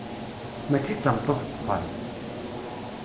Mačči d tameṭṭut n wexxam.